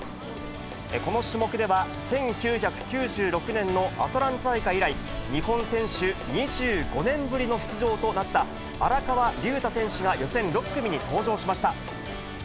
この種目では、１９９６年のアトランタ大会以来、日本選手２５年ぶりの出場となった荒川龍太選手が予選６組に登場しました。